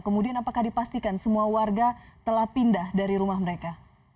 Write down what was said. kemudian apakah dipastikan semua warga telah pindah dari rumah mereka